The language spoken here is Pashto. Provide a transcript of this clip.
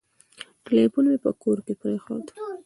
ټلیفون مي په کور کي پرېښود .